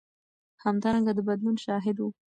همدارنګه د بدلون شاهد و.